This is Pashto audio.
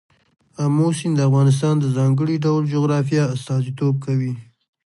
آمو سیند د افغانستان د ځانګړي ډول جغرافیه استازیتوب کوي.